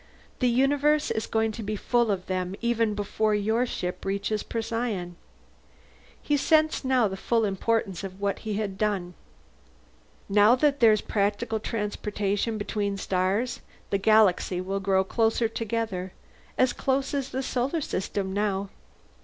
The universe is going to be full of them even before your ship reaches Procyon!" He sensed now the full importance of what he had done. "Now that there's practical transportation between stars, the Galaxy will grow close together as close as the Solar System is now!"